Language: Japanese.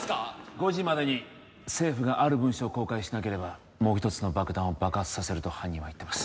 ５時までに政府がある文書を公開しなければもう一つの爆弾を爆発させると犯人は言ってます